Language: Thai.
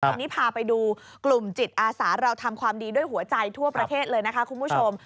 วันนี้พาไปดูกลุ่มจิตอาสาเราทำความดีด้วยหัวใจทั่วประเทศเลยนะคะคุณผู้ชม